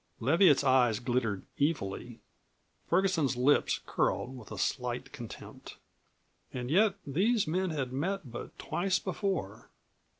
Leviatt's eyes glittered evilly; Ferguson's lips curled with a slight contempt. And yet these men had met but twice before.